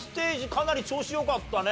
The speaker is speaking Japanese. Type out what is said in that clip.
かなり調子良かったね。